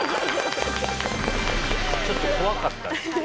ちょっと怖かったですね。